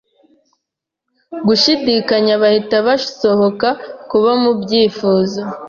gushidikanya Bahita Basohoka Kuba mubyifuzo